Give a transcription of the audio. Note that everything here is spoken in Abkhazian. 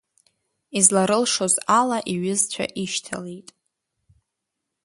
Изларылшоз ала иҩызцәа ишьҭалеит.